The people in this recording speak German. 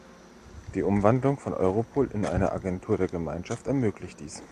Die Umwandlung von Europol in eine Agentur der Gemeinschaft ermöglicht dies.